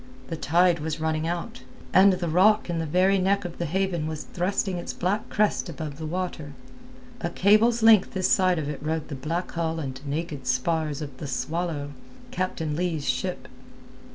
The tide was running out, and the rock in the very neck of the haven was thrusting its black crest above the water. A cable's length this side of it rode the black hull and naked spars of the Swallow—Captain Leigh's ship.